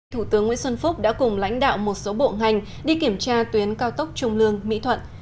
thủ tướng nguyễn xuân phúc đã cùng lãnh đạo một số bộ ngành đi kiểm tra tuyến cao tốc trung lương mỹ thuận